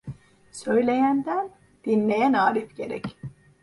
Söyleyenden dinleyen arif gerek.